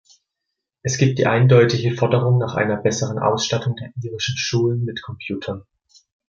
Es gibt die eindeutige Forderung nach einer besseren Ausstattung der irischen Schulen mit Computern.